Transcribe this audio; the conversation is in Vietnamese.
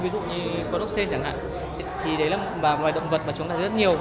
ví dụ như con ốc sen chẳng hạn thì đấy là một loài động vật mà chúng ta rất nhiều